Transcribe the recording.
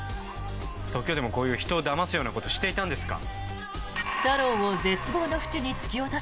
東京でもこういう人をだますようなことをしていたんですか？